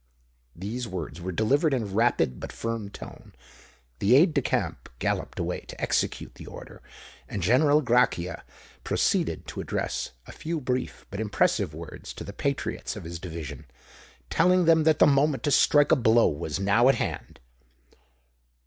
These words were delivered in a rapid but firm tone. The aide de camp galloped away to execute the order; and General Grachia proceeded to address a few brief but impressive words to the patriots of his division, telling them that the moment to strike a blow was now at hand.